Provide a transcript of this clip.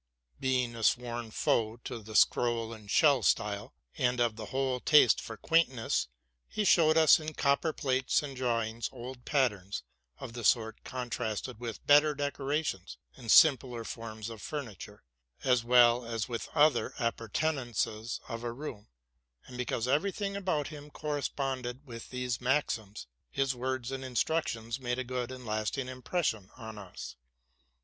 Being a sworn foe to the scroll and shell style, and of the whole taste for quaintness, he showed us in copper plates and drawings old patterns of the sort, contrasted with better decorations and simpler forms of furniture, as well as with other appur tenances of a room; and, because every thing asout him corresponded with these maxims, his words and instructions made a good and lasting impression on us.